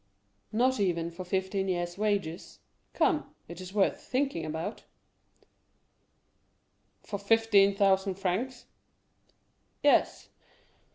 "Not even for fifteen years' wages? Come, it is worth thinking about?" "For fifteen thousand francs?" "Yes."